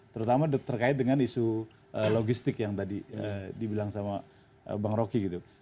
terutama terkait dengan isu logistik yang tadi dibilang sama bang rocky gitu